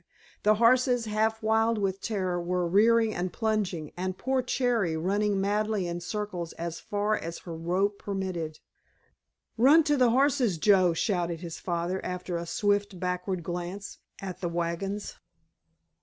The horses, half wild with terror, were rearing and plunging, and poor Cherry running madly in circles as far as her rope permitted. "Run to the horses, Joe," shouted his father, after a swift backward glance at the wagons.